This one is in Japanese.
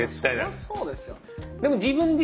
そりゃそうですよ。